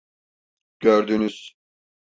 Gördünüz.